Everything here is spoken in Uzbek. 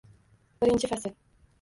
Birinchi fasl